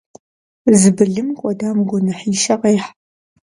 Зи былым кӏуэдам гуэныхьищэ къехь.